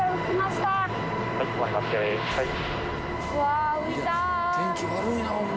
はい。